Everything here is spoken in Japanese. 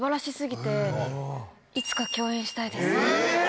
え！